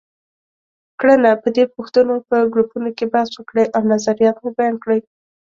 کړنه: پر دې پوښتنو په ګروپونو کې بحث وکړئ او نظریات مو بیان کړئ.